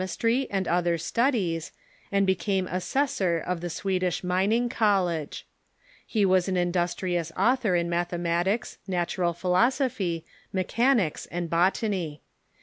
.,..,,.,,., istry and similar studies, and became assessor of the Swedish Mining College. He was an industrious author in mathematics, natural philosophy, mechanics, and botany.